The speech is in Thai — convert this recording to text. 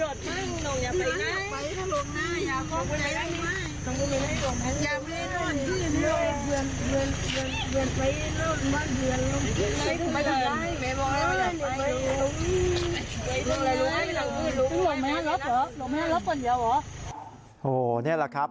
นี่แหละครับ